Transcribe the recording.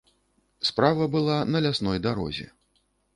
Справа была на лясной дарозе.